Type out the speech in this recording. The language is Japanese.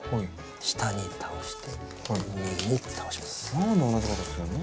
何で同じことすんの？